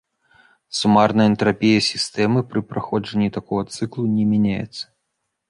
Сумарная энтрапія сістэмы пры праходжанні такога цыклу не мяняецца.